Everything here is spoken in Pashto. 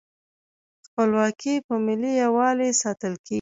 خپلواکي په ملي یووالي ساتل کیږي.